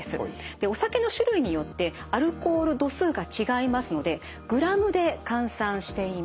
お酒の種類によってアルコール度数が違いますのでグラムで換算しています。